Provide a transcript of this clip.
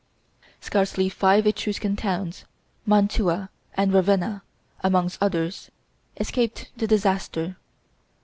Scarcely five Etruscan towns, Mantua and Ravenna amongst others, escaped disaster.